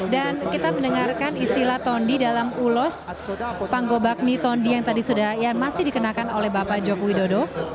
dan kita mendengarkan istilah tondi dalam ulos fangobagmi tondi yang tadi sudah yang masih dikenakan oleh bapak jokowi dodo